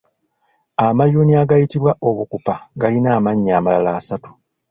Amayuuni agayitibwa obukupa galina amannya amalala asatu.